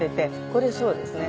これそうですね。